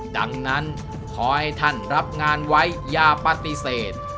ดังนั้นขอให้ท่านรับงานไว้อย่าปฏิเสธ